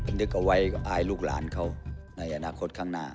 นึกเอาไว้ภายลูกหลานเขาในอนาคตข้างหน้า